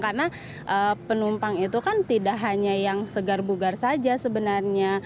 karena penumpang itu kan tidak hanya yang segar bugar saja sebenarnya